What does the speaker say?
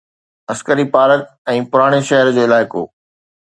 عسڪري park ۽ پراڻي شهر جو علائقو